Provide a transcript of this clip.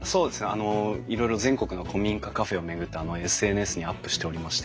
あのいろいろ全国の古民家カフェを巡ってＳＮＳにアップしておりまして。